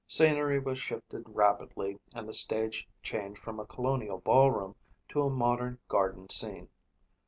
Scenery was shifted rapidly and the stage changed from a colonial ballroom to a modern garden scene.